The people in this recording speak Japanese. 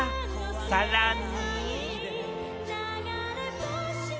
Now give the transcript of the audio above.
さらに。